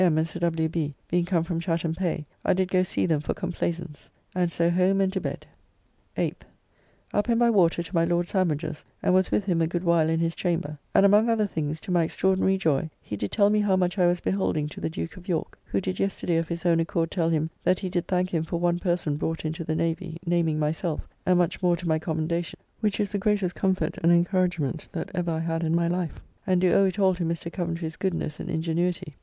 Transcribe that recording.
M. and Sir W. B. being come from Chatham Pay I did go see them for complaisance, and so home and to bed. 8th. Up and by water to my Lord Sandwich's, and was with him a good while in his chamber, and among other things to my extraordinary joy, he did tell me how much I was beholding to the Duke of York, who did yesterday of his own accord tell him that he did thank him for one person brought into the Navy, naming myself, and much more to my commendation, which is the greatest comfort and encouragement that ever I had in my life, and do owe it all to Mr. Coventry's goodness and ingenuity.